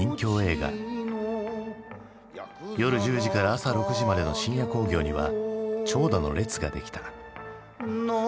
夜１０時から朝６時までの深夜興行には長蛇の列ができた。